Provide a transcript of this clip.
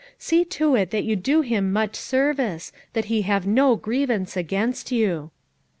See to it that you do him such service that he have no grievance against you."